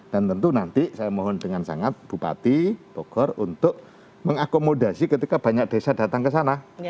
dan tentu nanti saya mohon dengan sangat bupati bogor untuk mengakomodasi ketika banyak desa datang ke sana